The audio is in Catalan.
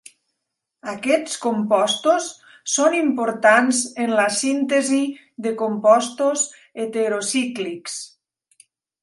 Aquests compostos són importants en la síntesi de compostos heterocíclics.